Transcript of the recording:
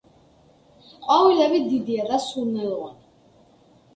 ყვავილები დიდია და სურნელოვანი.